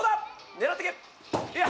狙ってけ！